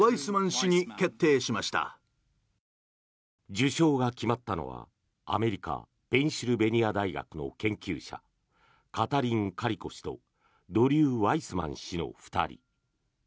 受賞が決まったのはアメリカ・ペンシルベニア大学の研究者カタリン・カリコ氏とドリュー・ワイスマン氏の２人。